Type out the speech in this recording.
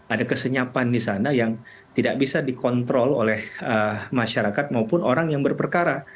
ada kesenyapan di sana yang tidak bisa dikontrol oleh masyarakat maupun orang yang berperkara